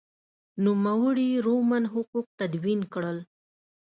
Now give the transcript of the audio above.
نوموړي رومن حقوق تدوین کړل.